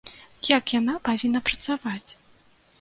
Як яна павінна працаваць?